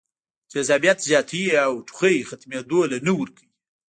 تېزابيت زياتوي او ټوخی ختمېدو له نۀ ورکوي